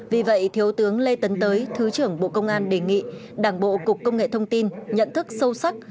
vì vậy thiếu tướng lê tấn tới thứ trưởng bộ công an đề nghị đảng bộ cục công nghệ thông tin nhận thức sâu sắc